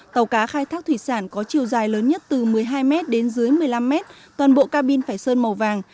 tàu cá khai thác thủy sản có chiều dài lớn nhất từ một mươi hai m đến dưới một mươi năm m toàn bộ ca bin phải sơn màu vàng